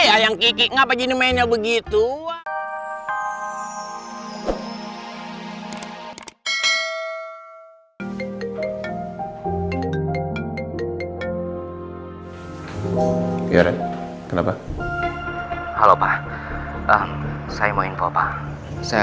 ayang gigi ngapa gini mainnya begitu ah hai hai hai biar kenapa halo pak saya mau info pak saya